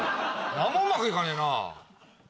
何もうまく行かねえな。